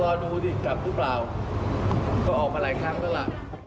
รอดูดิกลับหรือเปล่าก็ออกมาหลายครั้งแล้วล่ะ